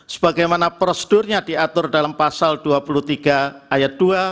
sebagaimana prosedurnya diatur dalam pasal dua puluh tiga ayat dua